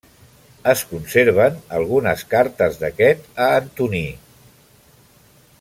Es conserven algunes cartes d'aquest a Antoní.